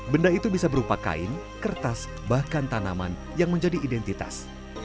benda itu bisa berupa kain kertas bahkan tanaman yang menjadi identitas